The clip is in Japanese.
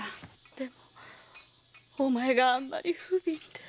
でもお前があんまり不憫で。